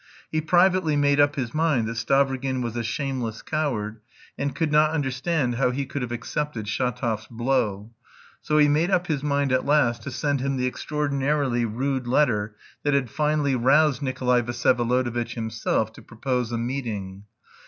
He privately made up his mind that Stavrogin was a shameless coward; and could not understand how he could have accepted Shatov's blow. So he made up his mind at last to send him the extraordinarily rude letter that had finally roused Nikolay Vsyevolodovitch himself to propose a meeting.